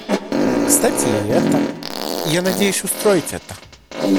Кстати и это, и я надеюсь устроить это.